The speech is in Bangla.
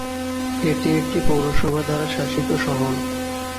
এটি একটি পৌরসভা দ্বারা শাসিত শহর।